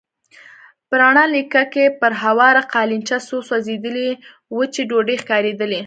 په رڼه لېکه کې پر هواره قالينچه څو سوځېدلې وچې ډوډۍ ښکارېدلې.